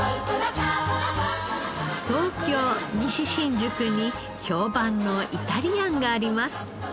東京西新宿に評判のイタリアンがあります。